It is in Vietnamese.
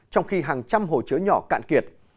trong khi hàng trăm hồ chứa nhỏ cạn chết